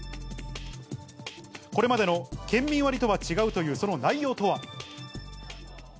これまでの県民割とは違うというその内容とは。